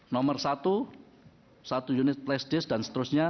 nomor satu satu unit flash disk dan seterusnya